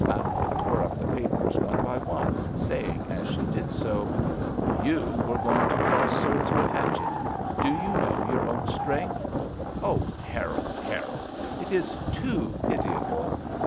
Mallowe tore up the papers one by one, saying as she did so: *' You were going to cross swords with Hatchett. Do you know your own strength? Oh, Harold, Harold, it is too pitiable!